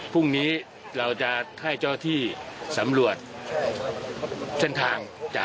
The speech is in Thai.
พรุ่งนี้เราจะให้เจ้าที่สำรวจเส้นทางจาก